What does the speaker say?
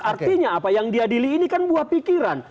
artinya apa yang diadili ini kan buah pikiran